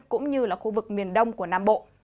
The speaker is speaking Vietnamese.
cũng như là khu vực miền đông của nam bộ